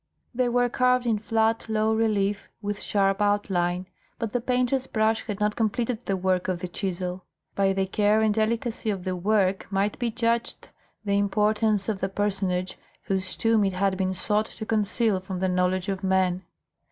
They were carved in flat, low relief with sharp outline, but the painter's brush had not completed the work of the chisel. By the care and delicacy of the work might be judged the importance of the personage whose tomb it had been sought to conceal from the knowledge of men.